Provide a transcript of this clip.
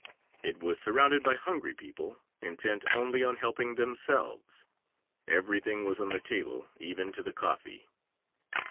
It was surrounded by hungry people intent only on helping themselves. Everything was on the table, even to the coffee.